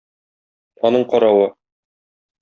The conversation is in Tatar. Аның каравы...